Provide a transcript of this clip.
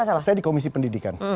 betul rifana saya di komisi pendidikan